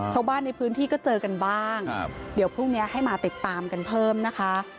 ชาวบ้านในพื้นที่ก็เจอกันบ้างเดี๋ยวพรุ่งนี้ให้มาติดตามกันเพิ่มนะคะ